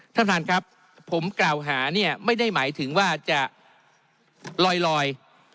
ท่านประธานครับผมกล่าวหาเนี่ยไม่ได้หมายถึงว่าจะลอย